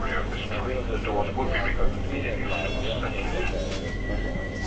Aveva due sorelle: Faustina e Claudia e un fratello: Mariano.